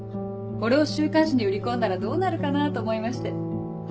これを週刊誌に売り込んだらどうなるかなと思いまして。